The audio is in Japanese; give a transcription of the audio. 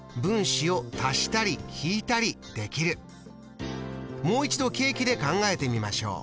もう一度ケーキで考えてみましょう。